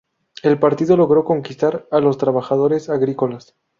El partido logró conquistar a los trabajadores agrícolas.